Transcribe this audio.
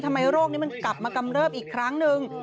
โรคนี้มันกลับมากำเริบอีกครั้งหนึ่ง